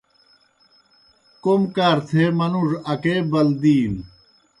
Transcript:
کوْم کار تھے منُوڙوْ اکے بَلدِینوْ۔